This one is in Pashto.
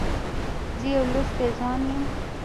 زه يو لوستی ځوان یم.